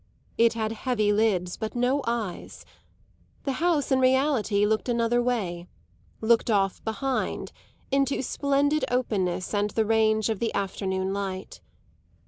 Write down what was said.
It had heavy lids, but no eyes; the house in reality looked another way looked off behind, into splendid openness and the range of the afternoon light.